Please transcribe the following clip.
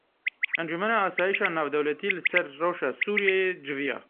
Encûmena Asayîşa Navdewletî li ser rewşa Sûriyeyê civiya.